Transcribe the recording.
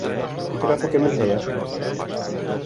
Îtirafeke min heye.